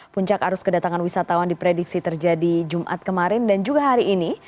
puncak arus kedatangan wisatawan diprediksi terjadi jumat kemarin dan juga hari ini